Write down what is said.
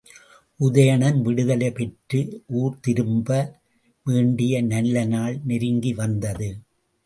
உதயணன் விடுதலை பெற்று ஊர் திரும்ப வேண்டிய நல்ல நாள் நெருங்கி வந்தது.